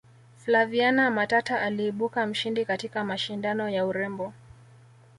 flaviana matata aliibuka mshindi katika mashindano ya urembo